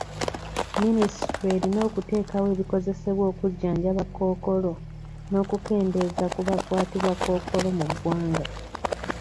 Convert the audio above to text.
Minisitule erina okuteekawo ebikozesebwa okujjanjaba Kkookolo n'okukendeeza ku bakwatibwa Kkookolo mu ggwanga.